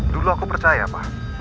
dulu aku percaya pak